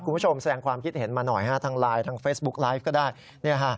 คุณผู้ชมแสดงความคิดเห็นมาหน่อยฮะทางไลน์ทางเฟซบุ๊กไลฟ์ก็ได้